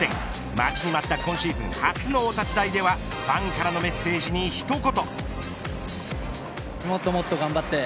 待ちに待った今シーズン初のお立ち台ではファンからのメッセージに一言。